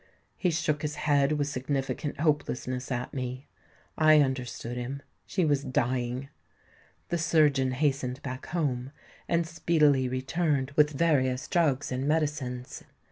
He shook his head with significant hopelessness at me: I understood him—she was dying! The surgeon hastened back home, and speedily returned with various drugs and medicines.